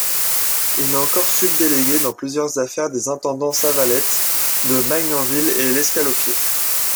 Il est encore subdélégué dans plusieurs affaires des intendants Savalette de Magnanville et Lescalopier.